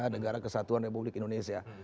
negara kesatuan republik indonesia